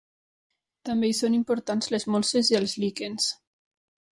També hi són importants les molses i els líquens.